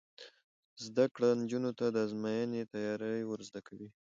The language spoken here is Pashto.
زده کړه نجونو ته د ازموینې تیاری ور زده کوي.